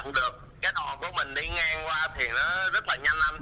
cái đoạn của mình đi ngang qua thì nó rất là nhanh anh